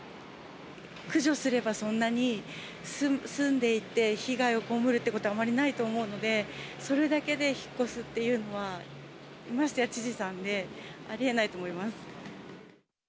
駆除すればそんなに住んでいて、被害を被るってことはあんまりないと思うので、それだけで引っ越すっていうのは、ましてや知事さんで、ありえないと思います。